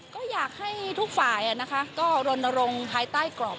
ก็อยากให้ทุกฝ่ายก็รณรงค์ภายใต้กรอบ